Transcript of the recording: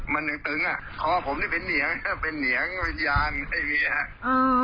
ตึงอ่ะเพราะว่าผมนี่เป็นเหนียงเป็นเหนียงเป็นยานไอ้เมีย